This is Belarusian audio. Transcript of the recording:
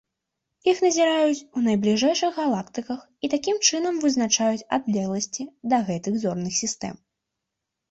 Іх назіраюць у найбліжэйшых галактыках і такім чынам вызначаюць адлегласці да гэтых зорных сістэм.